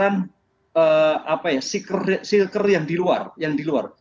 ada kisaran secret yang di luar